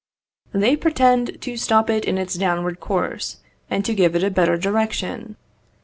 They pretend, to stop it in its downward course, and to give it a better direction.